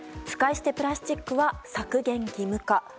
使い捨てプラスチックは削減義務化。